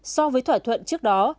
so với thỏa thuận trước đó